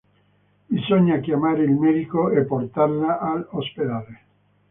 Bisogna chiamare il medico e portarla all'ospedale.